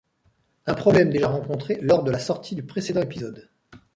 Un problème déjà rencontré lors de la sortie du précédent épisode.